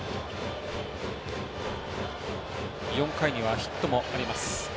４回にはヒットもあります。